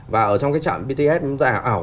và ở trong cái trạm bts giả ảo